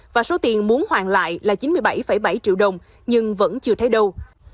và số tiền muốn hoàn lại là chín mươi bảy bảy triệu đồng nhưng vẫn chưa thấy đâu